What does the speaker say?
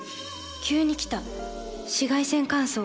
急に来た紫外線乾燥。